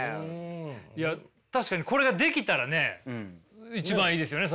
いや確かにこれができたらね一番いいですよね